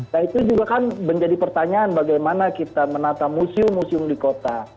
nah itu juga kan menjadi pertanyaan bagaimana kita menata museum museum di kota